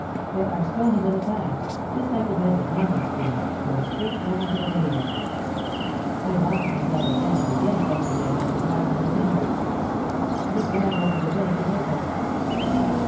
There are stony little paths, just like the beds of mountain streams, going straight down to the Marina. I lost myself again and again yesterday among the gardens and vineyards. Look back over the bay to Naples!"